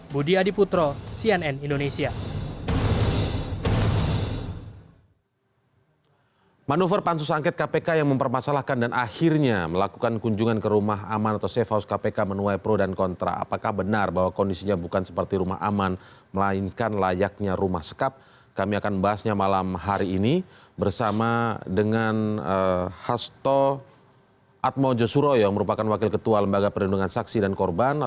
budi adiputro cnn indonesia